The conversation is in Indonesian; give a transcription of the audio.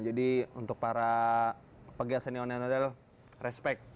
jadi untuk para pegawai seni ondel ondel respect